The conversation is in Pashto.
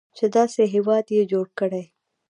چې داسې هیواد یې جوړ کړی.